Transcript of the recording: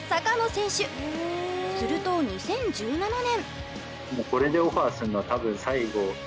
すると２０１７年。